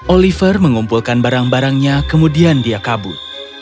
oliver mengumpulkan barang barangnya kemudian dia kabur